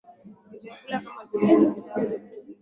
Ni vyakula kama biriyani pilau na vitu vingine